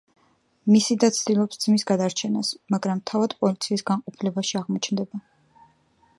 მისი და ცდილობს ძმის გადარჩენას, მაგრამ თავადაც პოლიციის განყოფილებაში აღმოჩნდება.